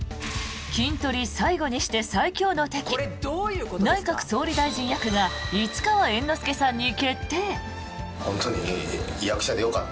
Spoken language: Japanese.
キントリ最後にして最強の敵内閣総理大臣役が市川猿之助さんに決定！